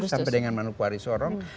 sampai dengan manu kuari sorong